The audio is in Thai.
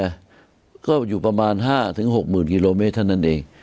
แต่ก็อยู่ประมาณ๕๖๐๐๐๐กิโลเมตรนั่นเอง